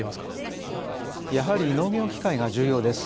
やはり農業機械が重要です。